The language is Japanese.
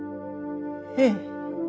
ええ。